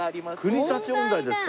国立音大ですか。